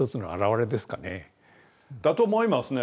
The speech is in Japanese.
だと思いますね。